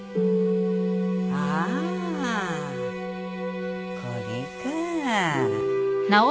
ああこれか